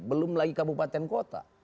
belum lagi kabupaten kota